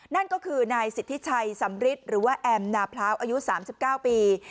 นั่นก็คือนายสิทธิชัยสำริทหรือว่าแอมนาพร้าวอายุ๓๙ปี